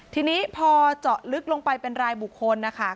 ทีนี้พอเจาะลึกลงไปเป็นรายบุคคลนะคะ